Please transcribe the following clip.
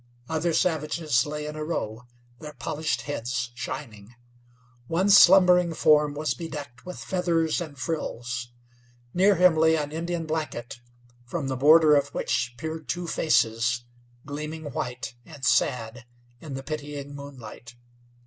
Other savages lay in a row, their polished heads shining. One slumbering form was bedecked with feathers and frills. Near him lay an Indian blanket, from the border of which peered two faces, gleaming white and sad in the pitying moonlight.